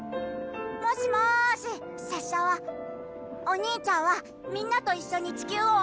もしもーし拙者はお兄ちゃんはみんなと一緒に地球をお守りしてきまーす。